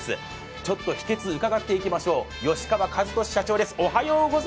ちょっと秘けつを伺っていきましょう、吉川和敏社長です。